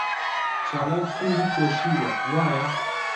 چالاک سووری پۆشیوە، وایە؟